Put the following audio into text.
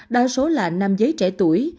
đa số là nam giấy trẻ tuổi